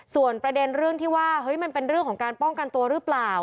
ส่วนประเด็นเรื่องที่ว่าเฮ้ยมันเป็นเรื่องของการป้องกันตัวหรือเปล่า